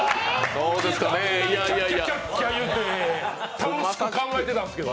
キャッキャ、キャッキャ言って楽しく考えてたんですけど。